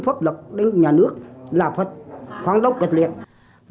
nhằm chống nhà nước cộng hòa xã hội chủ nghĩa việt nam